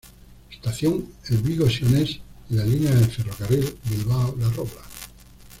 Estación El Vigo-Siones en la línea de ferrocarril Bilbao La Robla.